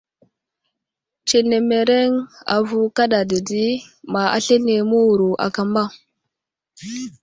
Tsenemereŋ avo kaɗa dedi ma aslane məwuro akama.